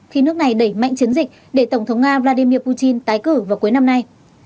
khi nước này đẩy mạnh chiến dịch để tổng thống nga vladimir putin tái cử vào cuối năm nay